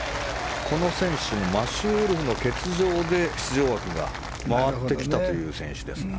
この選手はマシュー・ウルフの欠場で出場枠が回ってきた選手です。